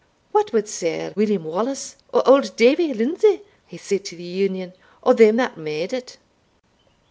What wad Sir William Wallace, or auld Davie Lindsay, hae said to the Union, or them that made it?"